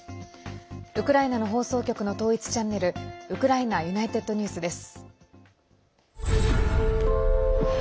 ウクライナの放送局の統一チャンネル、ウクライナＵｎｉｔｅｄＮｅｗｓです。